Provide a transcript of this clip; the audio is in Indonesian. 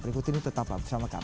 berikut ini tetaplah bersama kami